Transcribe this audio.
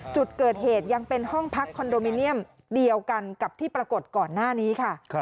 จุดเกิดเหตุยังเป็นห้องพักคอนโดมิเนียมเดียวกันกับที่ปรากฏก่อนหน้านี้ค่ะ